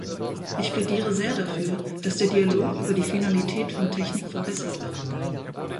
Ich plädiere sehr dafür, dass der Dialog über die Finalität von Technik verbessert wird.